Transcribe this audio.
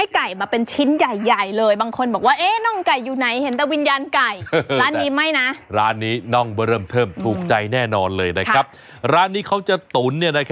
ก็คือแบบให้ไก่มาเป็นชิ้นใหญ่เลย